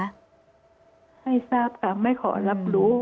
ให้ทราบค่ะไม่ขอรับรู้